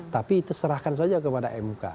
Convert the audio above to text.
tapi itu serahkan saja kepada mk